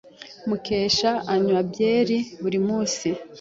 Mukesha anywa byeri buri munsi.